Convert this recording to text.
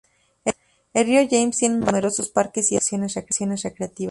El río James tiene numerosos parques y otras atracciones recreativas.